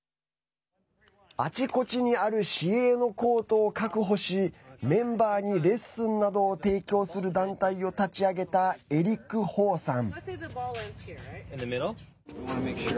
あちこちにある市営のコートを確保しメンバーにレッスンなどを提供する団体を立ち上げたエリック・ホーさん。